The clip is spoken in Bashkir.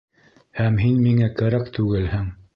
Һәм һин миңә кәрәк түгелһең.